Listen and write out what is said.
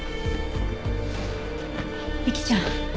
美貴ちゃん。